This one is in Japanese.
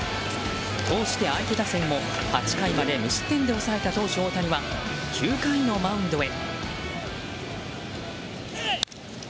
こうして相手打線も８回まで無失点で抑えた投手・大谷は９回のマウンドへ。